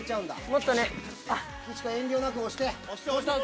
遠慮なく押して。